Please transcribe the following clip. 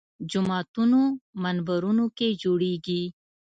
جوماتونو منبرونو کې جوړېږي